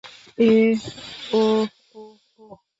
এহ, উহ, উহ, উহ।